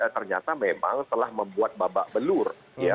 ternyata memang telah membuat babak belur